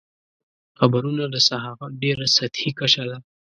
خبرونه د صحافت ډېره سطحي کچه ده.